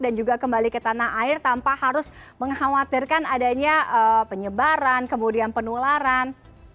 dan juga kembali ke tanah air tanpa harus mengkhawatirkan adanya penyebaran kemudian penularan